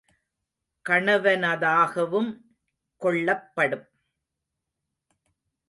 கணவனதாகவும் கொள்ளப்படும்.